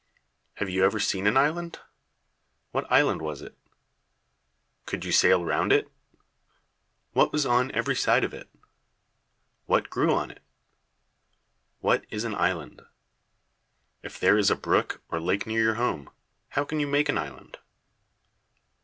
Have you ever seen an island? What island was it? Could you sail round it? What was on every side of it? What grew on it? What is an island? If there is a brook or lake near your home, how can you make an island?